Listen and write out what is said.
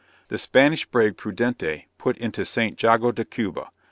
The Spanish brig Prudentee, put into St. Jago de Cuba.